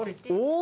お！